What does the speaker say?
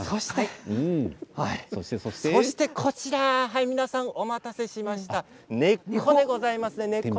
そして皆さんお待たせしました根っこでございます。